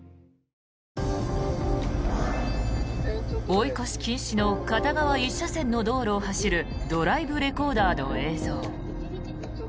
追い越し禁止の片側１車線の道路を走るドライブレコーダーの映像。